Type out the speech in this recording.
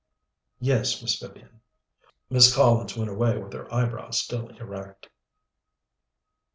'" "Yes, Miss Vivian." Miss Collins went away with her eyebrows still erect.